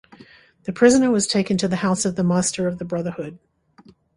The prisoner was taken to the house of the Master of the Brotherhood.